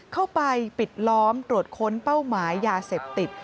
เข้าไปปิดล้อมตรวจค้นเป้าหมายยาเสพติด